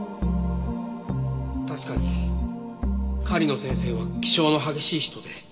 確かに狩野先生は気性の激しい人で。